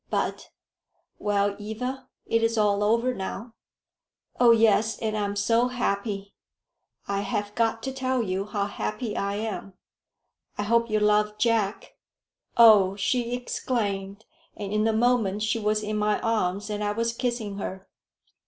But " "Well, Eva, it is all over now." "Oh yes, and I am so happy! I have got to tell you how happy I am." "I hope you love Jack." "Oh!" she exclaimed, and in a moment she was in my arms and I was kissing her.